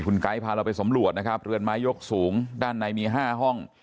คุณไก๊ะพาเราไปสับสมหวัดนะครับเบือนไม้ยกสูงด้านในมีห้าห้อง